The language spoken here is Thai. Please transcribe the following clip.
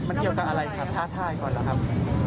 มันเกี่ยวกับอะไรครับท้าทายก่อนแล้วครับ